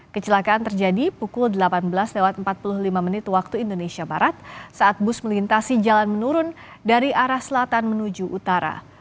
kecelakaan terjadi pukul delapan belas empat puluh lima menit waktu indonesia barat saat bus melintasi jalan menurun dari arah selatan menuju utara